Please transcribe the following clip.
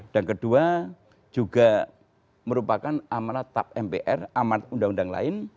dan kedua juga merupakan amanat tap mpr amanat undang undang lain